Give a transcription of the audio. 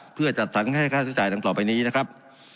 เพื่อจัดสรรให้ค่าใช้จ่ายดังต่อไปนี้นะครับ